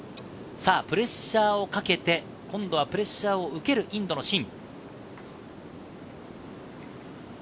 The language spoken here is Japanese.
プレッシャーをかけて、今度はプレッシャーを受けるインドのシン。